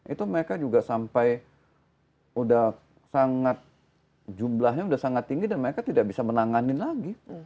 itu mereka juga sampai udah sangat jumlahnya udah sangat tinggi dan mereka tidak bisa menangkap